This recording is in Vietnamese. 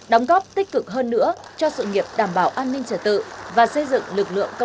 đóng góp tích cực hơn nữa cho sự nghiệp đảm bảo an ninh trở tự và xây dựng lực lượng công an